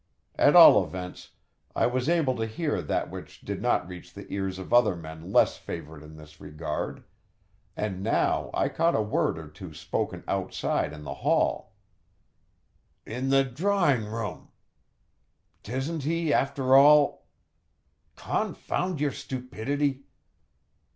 At all events, I was able to hear that which did not reach the ears of other men less favoured in this regard, and now I caught a word or two spoken outside in the hall. "In the drawing room ... 'tisn't he, after all ... confound your stupidity!